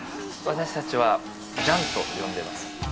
私たちは醤と呼んでます。